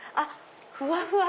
ふわふわ！